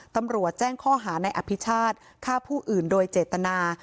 ตำรวจแจ้งข้อหาในอภิชาติฆ่าผู้อื่นโดยเจตนา